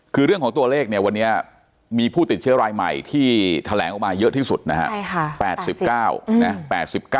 คือเรื่องของตัวเลขเนี่ยวันนี้มีผู้ติดเชื้อรายใหม่ที่แถลงออกมาเยอะที่สุดนะครับ